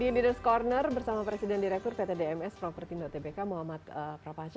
masih di leaders corner bersama presiden direktur pt dms property tbk muhammad prapanca